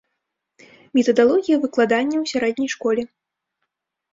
Метадалогія выкладання ў сярэдняй школе.